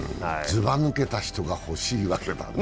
ずば抜けた人が欲しいわけだ。